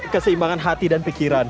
keseimbangan hati dan pikiran